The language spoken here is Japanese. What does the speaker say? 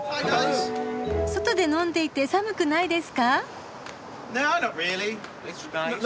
外で飲んでいて寒くないですか？